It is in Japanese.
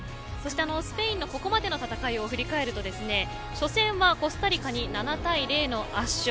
スペインのここまでの戦いを振り返ると初戦はコスタリカに７対０の圧勝。